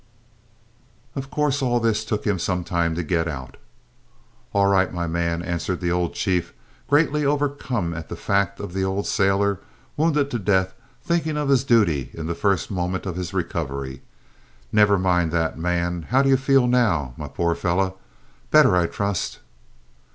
Of course all this took him some time to get out. "All right, my man," answered the old chief, greatly overcome at the fact of the old sailor, wounded to the death, thinking of his duty in the first moment of his recovery. "Never mind that, man! How do you feel now, my poor fellow better, I trust?"